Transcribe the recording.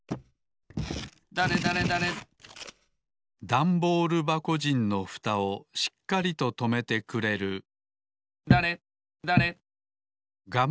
ダンボールばこじんのふたをしっかりととめてくれるだれだれ。